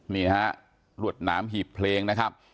นี่ฮะรวดหนามหีบเพลงนะครับ